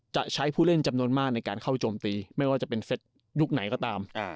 จะใช้ผู้เล่นจำนวนมากในการเข้าโจมตีไม่ว่าจะเป็นเซตยุคไหนก็ตาม